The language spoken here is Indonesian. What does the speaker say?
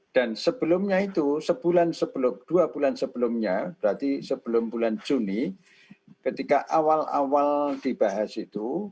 dan sebelumnya itu sebulan sebelumnya dua bulan sebelumnya berarti sebelum bulan juni ketika awal awal dibahas itu